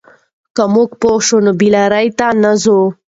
که موږ پوه شو، نو بې لارۍ ته نه ځو.